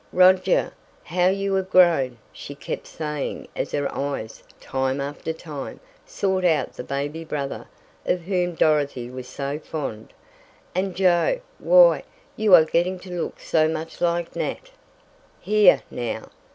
"Roger, how you have grown!" she kept saying as her eyes, time after time, sought out the "baby" brother of whom Dorothy was so fond. "And Joe! Why, you are getting to look so much like Nat " "Here, now!